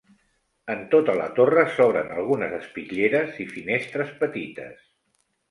En tota la torre s'obren algunes espitlleres i finestres petites.